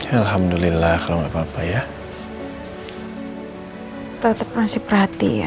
alhamdulillah kalau gak apa apa ya